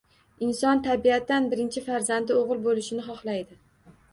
Inson tabiatan birinchi farzandi o‘g‘il bo‘lishini xohlaydi.